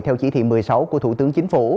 theo chỉ thị một mươi sáu của thủ tướng chính phủ